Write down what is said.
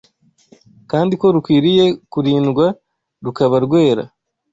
kandi ko rukwiriye kurindwa rukaba rwera